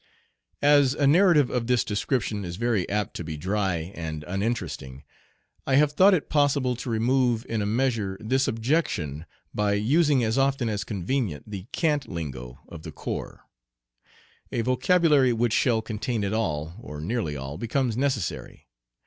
AS a narrative of this description is very apt to be dry and uninteresting, I have thought it possible to remove in a measure this objection by using as often as convenient the cant lingo of the corps. A vocabulary which shall contain it all, or nearly all, becomes necessary.